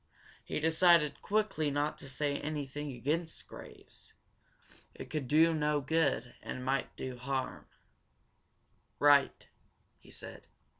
He decided quickly not to say anything against Graves. It could do no good and it might do harm. "Right," he said.